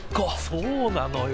そうなのよ。